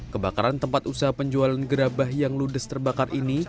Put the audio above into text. kebakaran tempat usaha penjualan gerabah yang ludes terbakar ini